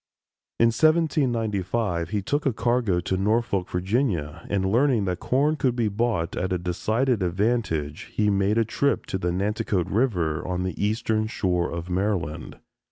In 1795 he took a cargo to Norfolk, Virginia, and learning that corn could be bought at a decided advantage, he made a trip to the Nanticoke River, on the eastern shore of Maryland.